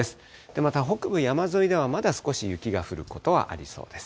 また北部山沿いではまだ少し雪が降ることはありそうです。